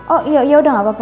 oh ya udah gak apa apa